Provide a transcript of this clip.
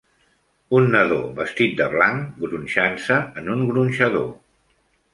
Un nadó vestit de blanc gronxant-se en un gronxador.